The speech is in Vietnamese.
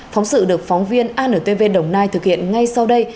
phóng sự được phóng viên antv đồng nai thực hiện ngay sau đây